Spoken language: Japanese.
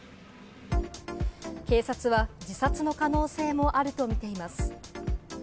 警察は自殺の可能性もあるとみています。